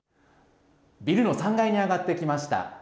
ビルの３階に上がってきました。